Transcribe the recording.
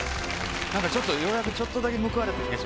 なんかちょっとようやくちょっとだけ報われた気がします。